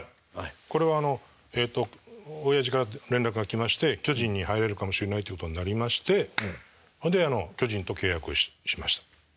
これはおやじから連絡が来まして巨人に入れるかもしれないってことになりましてほんで巨人と契約をしました。